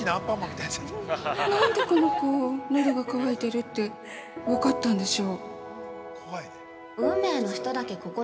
（なんでこの子、喉が渇いてるって分かったんでしょう？）